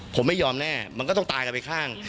ผมไม่ยอมแน่มันก็ต้องตายกันไปข้าง